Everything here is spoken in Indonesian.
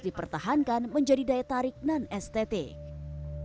dipertahankan menjadi daya tarik non estetik